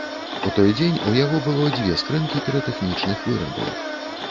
У той дзень у яго было дзве скрынкі піратэхнічных вырабаў.